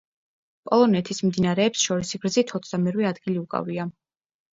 პოლონეთის მდინარეებს შორის სიგრძით ოცდამერვე ადგილი უკავია.